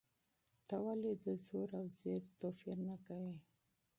ته ولې د زور او زېر توپیر نه کوې؟